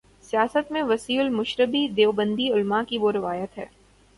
سیاست میں وسیع المشربی دیوبندی علما کی وہ روایت ہے۔